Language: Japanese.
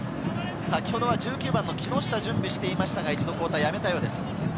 先ほどは１９番の木下が準備をしていましたが、一度交代をやめたそうです。